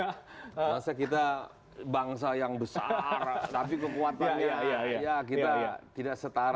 bahasa kita bangsa yang besar tapi kekuatannya ya kita tidak setara